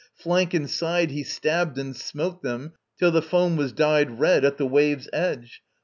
Flank and side He stabbed and smote them, till the foam was dyed Red at the waves' edge.